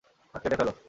হাত কেটে ফেলো।